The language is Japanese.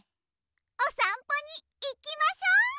おさんぽにいきましょ！